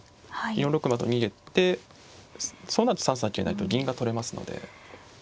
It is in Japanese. ４六馬と逃げてそうなると３三桂成と銀が取れますので。